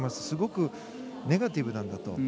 すごくネガティブなんだと。